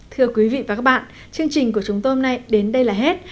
thưa quý vị và các bạn chương trình của chúng tôi hôm nay đến đây là hết